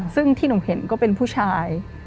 ซึ่งที่หนูเห็นก็เป็นผู้ชาย